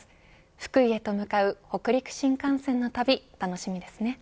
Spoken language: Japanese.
福井へと向かう北陸新幹線の旅楽しみですね。